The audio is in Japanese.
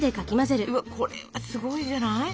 これはすごいじゃない？